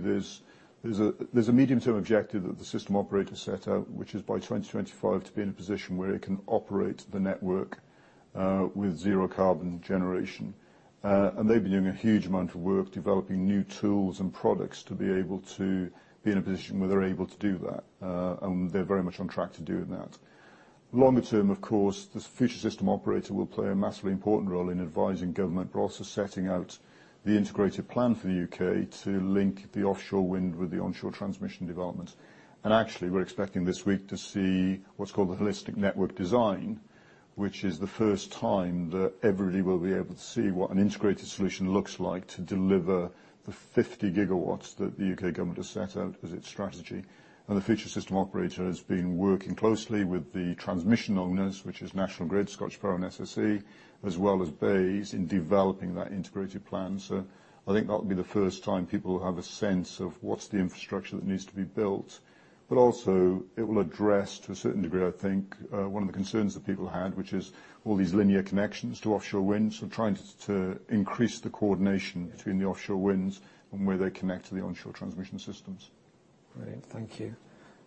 There's a medium-term objective that the system operator set out, which is by 2025 to be in a position where it can operate the network with zero-carbon generation. They've been doing a huge amount of work developing new tools and products to be able to be in a position where they're able to do that. They're very much on track to doing that. Longer term, of course, this Future System Operator will play a massively important role in advising government, but also setting out the integrated plan for the U.K. to link the offshore wind with the onshore transmission development. Actually, we're expecting this week to see what's called the Holistic Network Design, which is the first time that everybody will be able to see what an integrated solution looks like to deliver the 50 gigawatts that the U.K. government has set out as its strategy. The Future System Operator has been working closely with the transmission owners, which is National Grid, ScottishPower, and SSE, as well as BEIS, in developing that integrated plan. I think that'll be the first time people will have a sense of what's the infrastructure that needs to be built. It will address to a certain degree, I think, one of the concerns that people had, which is all these linear connections to offshore wind. Trying to increase the coordination between the offshore winds and where they connect to the onshore transmission systems. Great. Thank you.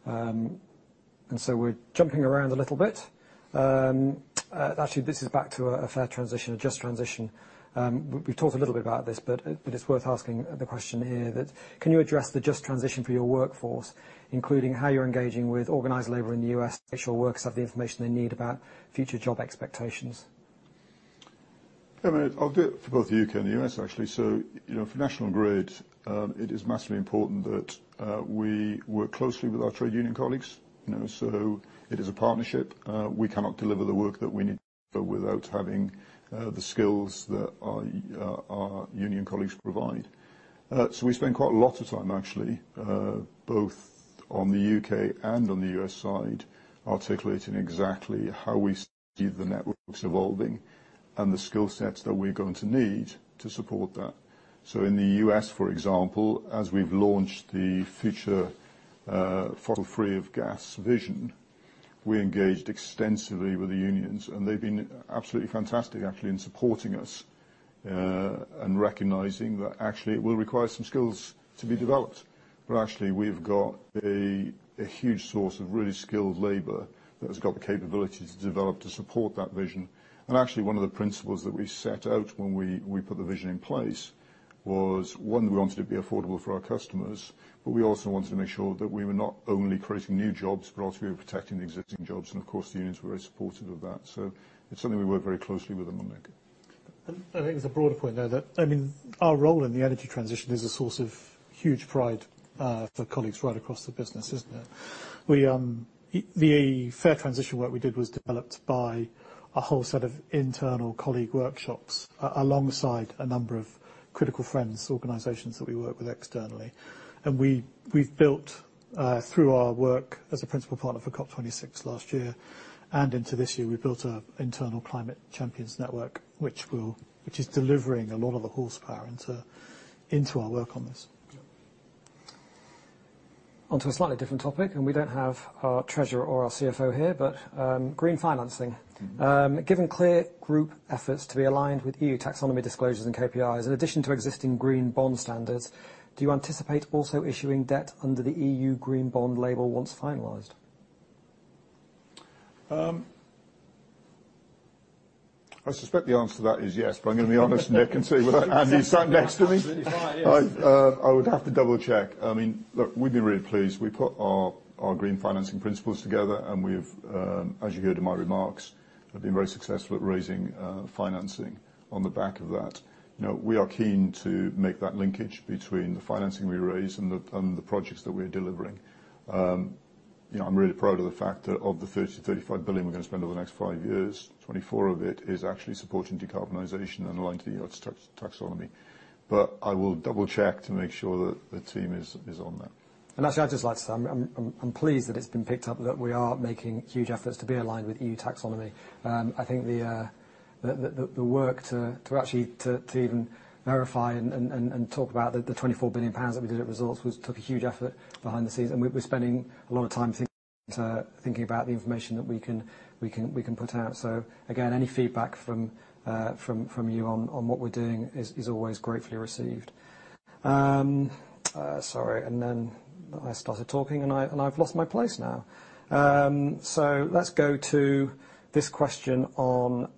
We're jumping around a little bit. Actually, this is back to a Fair Transition, a just transition. We've talked a little bit about this, but it's worth asking the question here, can you address the just transition for your workforce, including how you're engaging with organized labor in the U.S. to make sure workers have the information they need about future job expectations? Yeah, I mean, I'll do it for both the U.K. and the U.S., actually. You know, for National Grid, it is massively important that we work closely with our trade union colleagues. You know, it is a partnership. We cannot deliver the work that we need without having the skills that our union colleagues provide. We spend quite a lot of time actually, both on the U.K. and on the U.S. side, articulating exactly how we see the networks evolving and the skill sets that we're going to need to support that. In the U.S., for example, as we've launched the future fossil-free gas vision, we engaged extensively with the unions, and they've been absolutely fantastic, actually, in supporting us and recognizing that actually it will require some skills to be developed. Actually, we've got a huge source of really skilled labor that has got the capability to develop to support that vision. Actually, one of the principles that we set out when we put the vision in place was, one, we wanted to be affordable for our customers, but we also wanted to make sure that we were not only creating new jobs, but also we were protecting the existing jobs. Of course, the unions were very supportive of that. It's something we work very closely with them on that. I think there's a broader point there that, I mean, our role in the energy transition is a source of huge pride for colleagues right across the business, isn't it? The Fair Transition work we did was developed by a whole set of internal colleague workshops alongside a number of critical friends, organizations that we work with externally. We've built through our work as a principal partner for COP26 last year and into this year, we've built an internal climate champions network, which is delivering a lot of the horsepower into our work on this. On to a slightly different topic, and we don't have our treasurer or our CFO here, but green financing. Mm-hmm. Given clear group efforts to be aligned with EU Taxonomy disclosures and KPIs, in addition to existing green bond standards, do you anticipate also issuing debt under the EU Green Bond Standard once finalized? I suspect the answer to that is yes, but I'm gonna be honest, Nick, and say without Andy sat next to me. Absolutely fine, yes. I would have to double-check. I mean, look, we'd be really pleased. We put our green financing principles together and we've, as you heard in my remarks, have been very successful at raising financing on the back of that. You know, we are keen to make that linkage between the financing we raise and the projects that we're delivering. You know, I'm really proud of the fact that of the 30 billion-35 billion we're gonna spend over the next five years, 24 billion of it is actually supporting decarbonization and aligned to the EU Taxonomy. I will double-check to make sure that the team is on that. Actually, I'd just like to say I'm pleased that it's been picked up that we are making huge efforts to be aligned with EU Taxonomy. I think the work to actually even verify and talk about the 24 billion pounds that we did at results was took a huge effort behind the scenes. We're spending a lot of time thinking about the information that we can put out. Again, any feedback from you on what we're doing is always gratefully received. Sorry, then I started talking, and I've lost my place now. Let's go to this question on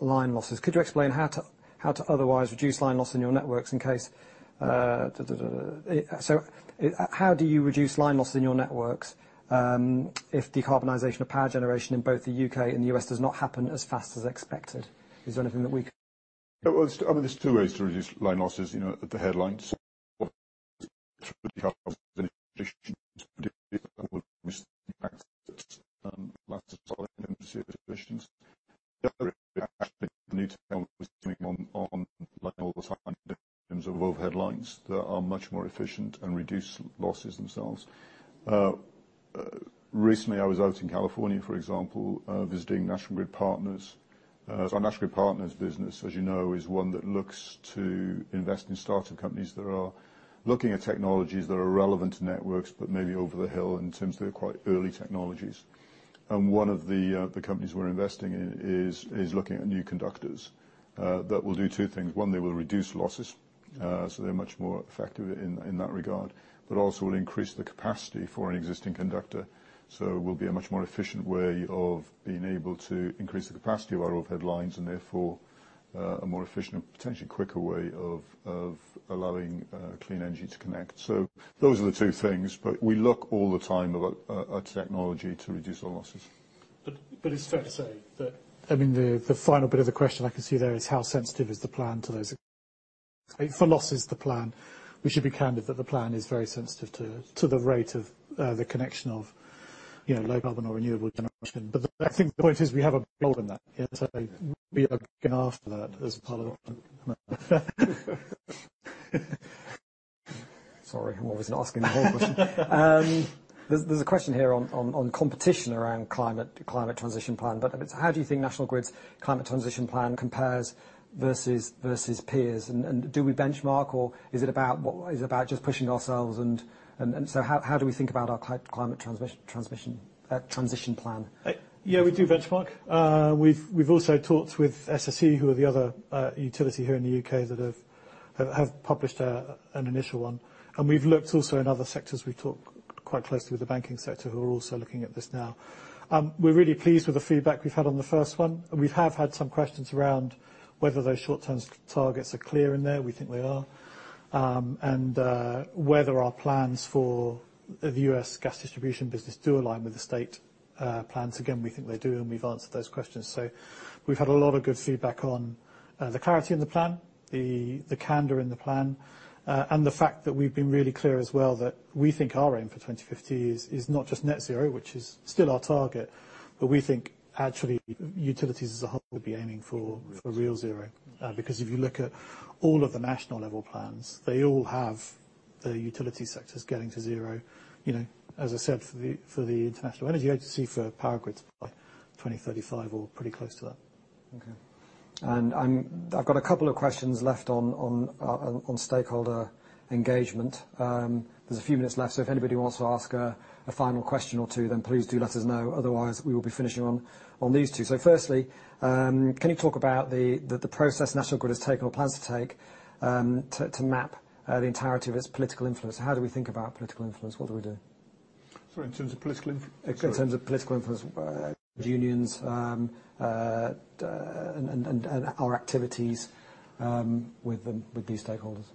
line losses. How do you reduce line loss in your networks if decarbonization of power generation in both the U.K. and the U.S. does not happen as fast as expected? Is there anything that we- Well, there's two ways to reduce line losses, you know, at a high level. For the carbon emissions, particularly scope 1, scope 2 emissions. Actually need to tell what's going on all the time in terms of the above high-level that are much more efficient and reduce losses themselves. Recently, I was out in California, for example, visiting National Grid Partners. So our National Grid Partners business, as you know, is one that looks to invest in startup companies that are looking at technologies that are relevant to networks, but maybe over the horizon in terms of they're quite early technologies. One of the companies we're investing in is looking at new conductors that will do two things. One, they will reduce losses, so they're much more effective in that regard, but also will increase the capacity for an existing conductor. They will be a much more efficient way of being able to increase the capacity of our offshore lines and therefore, a more efficient and potentially quicker way of allowing clean energy to connect. Those are the two things. We look all the time at technology to reduce our losses. It's fair to say that, I mean, the final bit of the question I can see there is how sensitive is the plan to those? We should be candid that the plan is very sensitive to the rate of the connection of, you know, low carbon or renewable generation. I think the point is we have a goal in that. We are going after that as part of. Sorry, I'm always asking the whole question. There's a question here on competition around Climate Transition plan, but it's how do you think National Grid's Climate Transition Plan compares versus peers? And do we benchmark, or is it about what is it about just pushing ourselves and so how do we think about our Climate Transition Plan? Yeah, we do benchmark. We've also talked with SSE, who are the other utility here in the U.K. that have published an initial one. We've looked also in other sectors. We talk quite closely with the banking sector who are also looking at this now. We're really pleased with the feedback we've had on the first one. We have had some questions around whether those short-term targets are clear in there. We think they are. Whether our plans for the U.S. gas distribution business do align with the state plans. Again, we think they do, and we've answered those questions. We've had a lot of good feedback on the clarity in the plan, the candor in the plan, and the fact that we've been really clear as well that we think our aim for 2050 is not just net zero, which is still our target, but we think actually utilities as a whole will be aiming for. Real zero. For real zero. Because if you look at all of the national level plans, they all have the utility sectors getting to zero, you know, as I said, for the International Energy Agency for power grids by 2035 or pretty close to that. I've got a couple of questions left on stakeholder engagement. There's a few minutes left, so if anybody wants to ask a final question or two, then please do let us know. Otherwise, we will be finishing on these two. Firstly, can you talk about the process National Grid has taken or plans to take to map the entirety of its political influence? How do we think about political influence? What do we do? Sorry, in terms of political influence. In terms of political influence, unions, and our activities with them, with these stakeholders.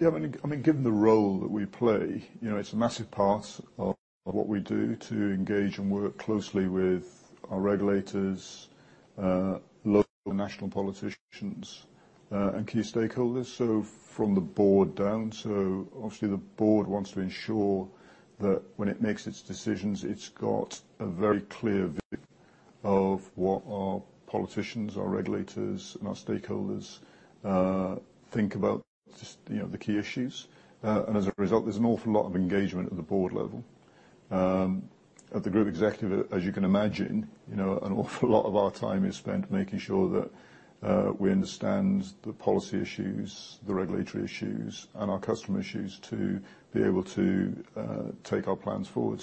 Yeah, I mean, given the role that we play, you know, it's a massive part of what we do to engage and work closely with our regulators, local national politicians, and key stakeholders. From the board down, so obviously the board wants to ensure that when it makes its decisions, it's got a very clear view of what our politicians, our regulators and our stakeholders think about, you know, the key issues. As a result, there's an awful lot of engagement at the board level. At the group executive, as you can imagine, you know, an awful lot of our time is spent making sure that we understand the policy issues, the regulatory issues, and our customer issues to be able to take our plans forward.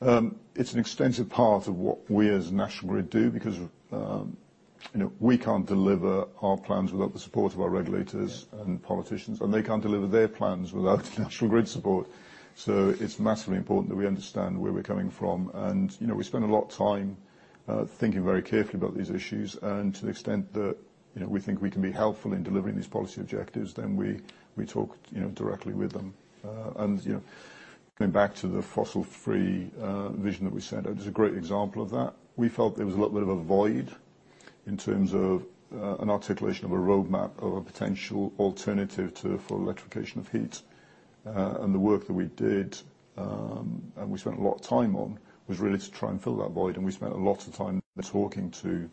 It's an extensive part of what we as National Grid do because of, you know, we can't deliver our plans without the support of our regulators. Yeah. Politicians and they can't deliver their plans without National Grid support. It's massively important that we understand where we're coming from. You know, we spend a lot of time thinking very carefully about these issues. To the extent that, you know, we think we can be helpful in delivering these policy objectives, then we talk, you know, directly with them. You know, going back to the fossil-free vision that we set, it was a great example of that. We felt there was a little bit of a void in terms of an articulation of a roadmap of a potential alternative for electrification of heat. The work that we did and we spent a lot of time on was really to try and fill that void. We spent a lot of time talking to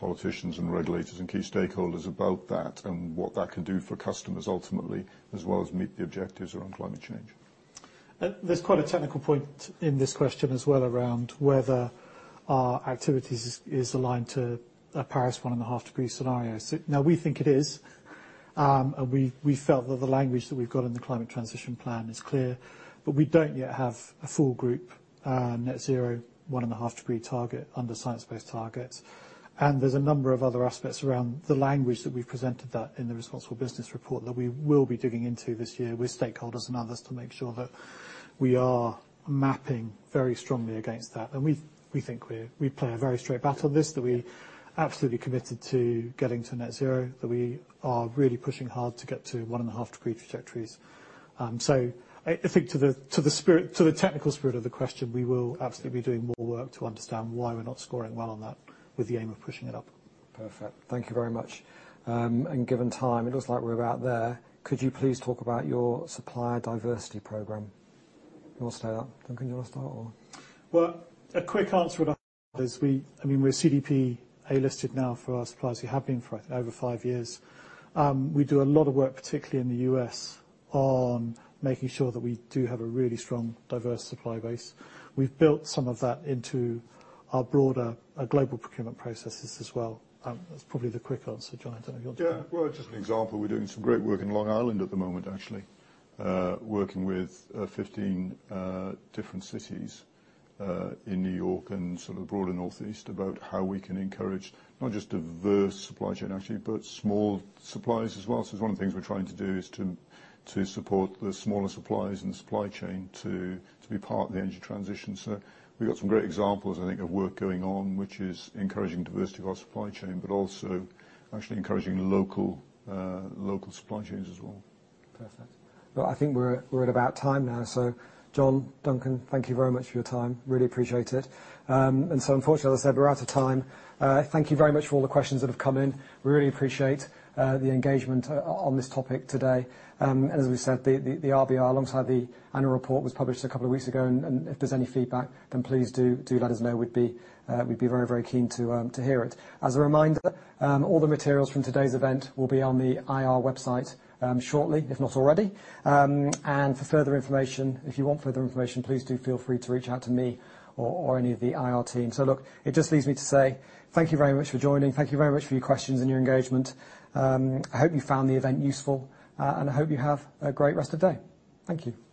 politicians and regulators and key stakeholders about that and what that can do for customers ultimately, as well as meet the objectives around climate change. There's quite a technical point in this question as well around whether our activities is aligned to a Paris 1.5-degree scenario. Now, we think it is. We felt that the language that we've got in the Climate Transition Plan is clear, but we don't yet have a full group net zero 1.5-degree target under Science Based Targets. There's a number of other aspects around the language that we've presented that in the Responsible Business Report that we will be digging into this year with stakeholders and others to make sure that we are mapping very strongly against that. We think we play a very straight bat on this, that we absolutely committed to getting to net zero, that we are really pushing hard to get to 1.5-degree trajectories. I think to the technical spirit of the question, we will absolutely be doing more work to understand why we're not scoring well on that with the aim of pushing it up. Perfect. Thank you very much. Given time, it looks like we're about there. Could you please talk about your supplier diversity program? You wanna stay up? Duncan, do you wanna start or? Well, a quick answer is we, I mean, we're CDP A-listed now for our suppliers. We have been for over five years. We do a lot of work, particularly in the U.S., on making sure that we do have a really strong, diverse supply base. We've built some of that into our broader global procurement processes as well. That's probably the quick answer. John, I don't know if you want to- Yeah. Well, just an example. We're doing some great work in Long Island at the moment, actually, working with 15 different cities in New York and sort of broader Northeast about how we can encourage not just diverse supply chain actually, but small suppliers as well. It's one of the things we're trying to do is to support the smaller suppliers and supply chain to be part of the energy transition. We've got some great examples, I think, of work going on, which is encouraging diversity of our supply chain, but also actually encouraging local supply chains as well. Perfect. Well, I think we're at about time now. John, Duncan, thank you very much for your time. Really appreciate it. Unfortunately, as I said, we're out of time. Thank you very much for all the questions that have come in. We really appreciate the engagement on this topic today. As we said, the RBR alongside the annual report was published a couple of weeks ago, and if there's any feedback, then please do let us know. We'd be very keen to hear it. As a reminder, all the materials from today's event will be on the IR website shortly, if not already. For further information, if you want further information, please do feel free to reach out to me or any of the IR team. Look, it just leaves me to say thank you very much for joining. Thank you very much for your questions and your engagement. I hope you found the event useful, and I hope you have a great rest of day. Thank you.